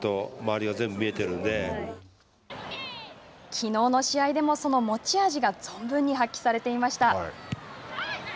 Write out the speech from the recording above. きのうの試合でもその持ち味が存分に発揮されていました。